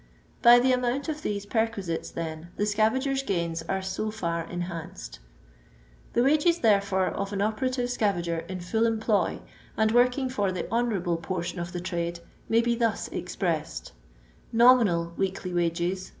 By the amooBt of these perquisites, then, the scavagers' gaini an so far enhanced. The wages, therefore, of an operative scavager in full employ, and workbg for the " honouEable" portion of the trade, may he thus expressed :— Nominal weekly wages